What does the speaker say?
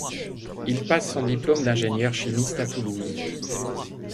Il passe son diplôme d'ingénieur chimiste à Toulouse.